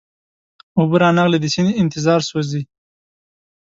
اوبه را نغلې د سیند انتظار سوزي